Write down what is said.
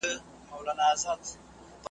په خپل ژوند کي په کلونو، ټول جهان سې غولولای .